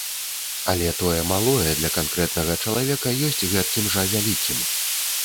Але тое малое для канкрэтнага чалавека ёсць гэткім жа вялікім.